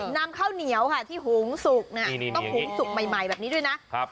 นำข้าวเหนียวค่ะที่หุงสุกต้องหุงสุกใหม่แบบนี้ด้วยนะ